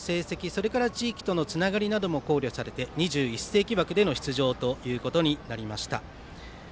それから地域とのつながりなどを考慮されて２１世紀枠での出場ということになりました。